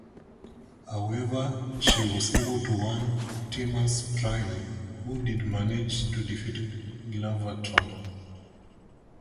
However, she was able to warn Optimus Prime, who did manage to defeat Galvatron.